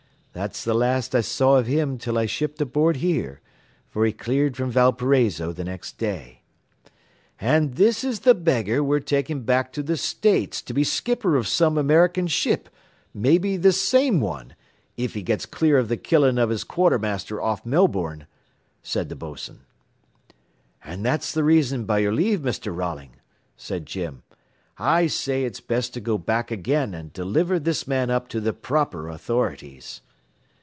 That's th' last I saw av him until I shipped aboard here, for he cleared from Valparaiso th' next day." "An' this is the beggar we're taking back to the States to be skipper of some American ship, maybe this same one, if he gets clear of the killing of his quartermaster off Melbourne," said the bos'n. "An' that's the reason, by your leave, Mr. Rolling," said Jim, "I say it's best to go back again and deliver this man up to the proper authorities."